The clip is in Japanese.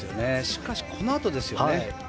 しかし、このあとでしたね。